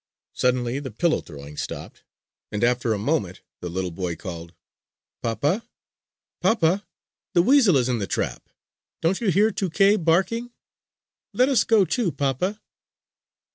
Suddenly the pillow throwing stopped; and after a moment the little boy called: "Papa! Papa! The weasel is in the trap. Don't you hear Tuké barking? Let us go too, papa!"